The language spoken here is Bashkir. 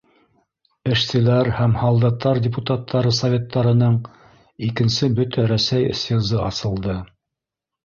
Эшселәр һәм һалдаттар депутаттары Советтарының Икенсе Бөтә Рәсәй съезы асылды.